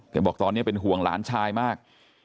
บอกตอนนี้เป็นห่วงหลานชายมาก